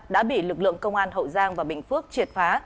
đã bị lực lượng công an hậu giang và bình phước triệt phá